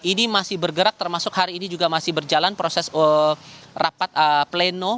ini masih bergerak termasuk hari ini juga masih berjalan proses rapat pleno